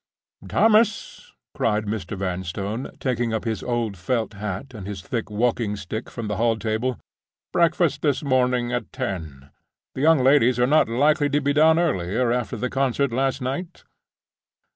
"Thomas!" cried Mr. Vanstone, taking up his old felt hat and his thick walking stick from the hall table. "Breakfast, this morning, at ten. The young ladies are not likely to be down earlier after the concert last night.